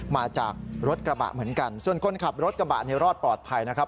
มาจากรถกระบะเหมือนกันส่วนคนขับรถกระบะเนี่ยรอดปลอดภัยนะครับ